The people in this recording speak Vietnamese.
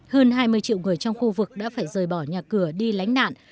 hơn hai mươi triệu người trong khu vực đã phải rời bỏ nhà cửa đi lánh nạn